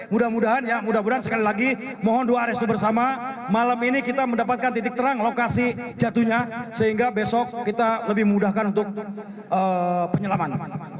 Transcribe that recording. mudah mudahan ya mudah mudahan sekali lagi mohon dua restu bersama malam ini kita mendapatkan titik terang lokasi jatuhnya sehingga besok kita lebih mudahkan untuk penyelaman